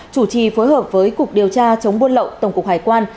chủ trì phối hợp với cục điều tra chống buôn lậu tổng cục hải quan